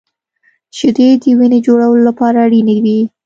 • شیدې د وینې جوړولو لپاره اړینې وي.